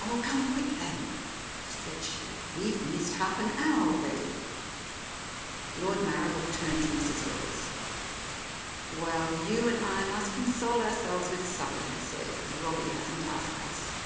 "Oh, come quick, then," said she. "We've missed half an hour already." Lord Marrible turned to Mrs. Withers. "Well, you and I must console ourselves with supper," he said, "as Robbie hasn't asked us."